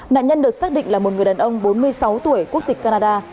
nạn nhân được xác định là một người đàn ông bốn mươi sáu tuổi quốc tịch canada